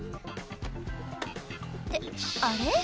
って、あれ？